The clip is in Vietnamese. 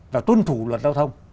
và tuân thủ luật giao thông